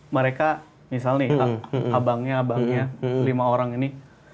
mereka misalnya abangnya abangnya lima orang ini